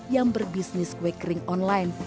yang berbisnis quakering online